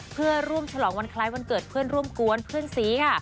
เพื่อร่วมฉลองวันคล้ายวันเกิดเพื่อนร่วมกวนเพื่อนสีค่ะ